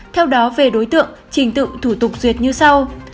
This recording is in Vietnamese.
theo đó về đối tượng trình tự thủ tục duyệt như sau